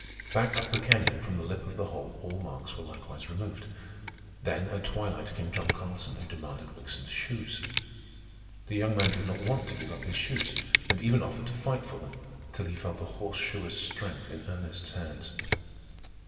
Back up the canyon from the lip of the hole all marks were likewise removed. Then, at twilight, came John Carlson, who demanded Wickson's shoes. The young man did not want to give up his shoes, and even offered to fight for them, till he felt the horseshoer's strength in Ernest's hands.